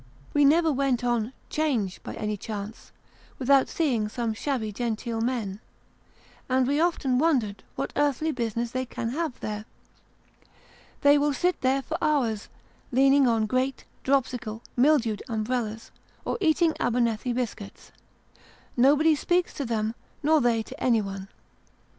We never went on 'Change, by any chance, without seeing some shabby genteel men, and we have often wondered what earthly business they can have there. They will sit there, for hours, leaning on great, dropsical, mildewed umbrellas, or eating Abernethy biscuits. Nobody speaks to them, nor they to anyone.